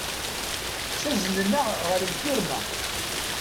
Ttaznen-aɣ ɣer lfirma.